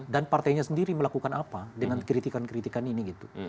dan partainya sendiri melakukan apa dengan kritikan kritikan ini gitu